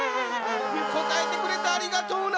こたえてくれてありがとうな。